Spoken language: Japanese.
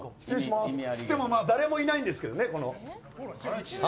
誰もいないんですけどね。